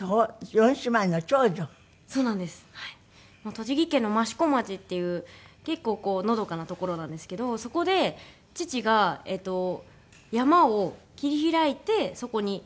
栃木県の益子町っていう結構のどかな所なんですけどそこで父がえっと山を切り開いてそこに家を建てて。